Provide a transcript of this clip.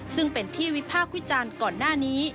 ซึ่งเป็นที่วิภาควิจันทร์ก่อนหน้านี้